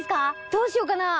どうしようかな。